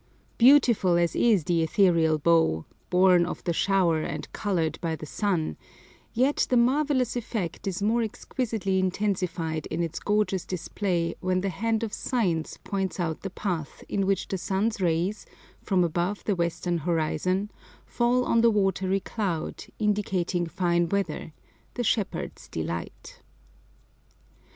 Beautiful as is the ethereal bow, "born of the shower and colour'd by the sun," yet the marvellous effect is more exquisitely intensified in its gorgeous display when the hand of science points out the path in which the sun's rays, from above the western horizon, fall on the watery cloud, indicating fine weather "the shepherd's delight."